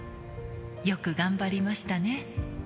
よく頑張りましたね。